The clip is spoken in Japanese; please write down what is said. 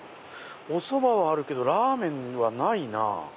おそばはあるけどラーメンはないな。